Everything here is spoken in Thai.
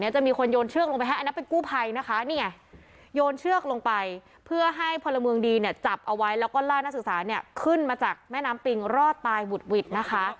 จะมีคนโยนเชือกลงไปให้อันนั้นเป็นกู้ภัยนะคะนี่ไงโยนเชือกลงไปเพื่อให้พลเมืองดีเนี่ยจับเอาไว้แล้วก็ล่านักศึกษาเนี่ยขึ้นมาจากแม่น้ำปิงรอดตายหุดหวิดนะคะ